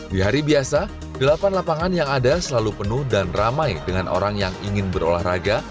di hari biasa delapan lapangan yang ada selalu penuh dan ramai dengan orang yang ingin berolahraga